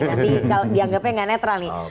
nanti dianggapnya nggak netral nih